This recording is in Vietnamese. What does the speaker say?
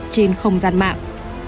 trên không gian mạng